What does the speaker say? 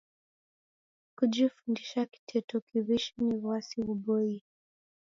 Kujifundisha kiteto kiw'ishi ni w'asi ghuboie.